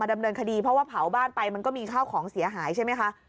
ดำเนินคดีเพราะว่าเผาบ้านไปมันก็มีข้าวของเสียหายใช่ไหมคะ